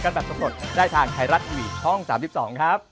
โอ้โอ้โอ้โอ้